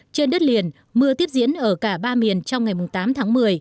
trên đất liền mưa tiếp diễn ở cả ba miền trong ngày tám tháng một mươi